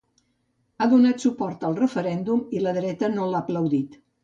Ha donat suport al referèndum i la dreta no l'ha aplaudit